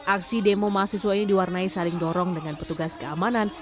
aksi demo mahasiswa ini diwarnai saling dorong dengan petugas keamanan